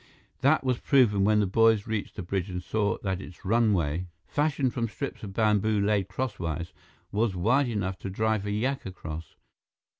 That was proven when the boys reached the bridge and saw that its runway, fashioned from strips of bamboo laid crosswise, was wide enough to drive a yak across.